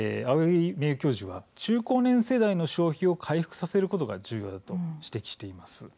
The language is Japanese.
中高年世代の消費を回復させることが重要だと指摘しています。